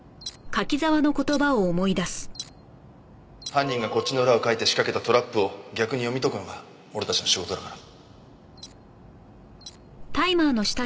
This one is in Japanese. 犯人がこっちの裏をかいて仕掛けたトラップを逆に読み解くのが俺たちの仕事だから。